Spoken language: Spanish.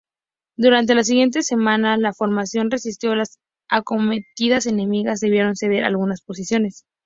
Durante las siguientes semanas la formación resistió las acometidas enemigas, debiendo ceder algunas posiciones.